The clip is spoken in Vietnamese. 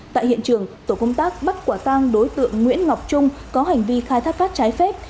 tại hiện trường tổ công tác bắt quả tang đối tượng nguyễn ngọc trung có hành vi khai thác cát trái phép